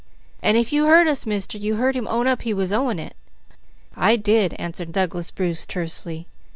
"And if you heard us, Mister, you heard him own up he was owing it." "I did," answered Douglas Bruce tersely.